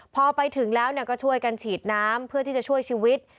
พอไปถึงแล้วก็ช่วยกันฉีดน้ำเพื่อที่จะช่วยชีวิต